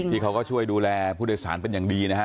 เขาก็ช่วยดูแลผู้โดยสารเป็นอย่างดีนะฮะ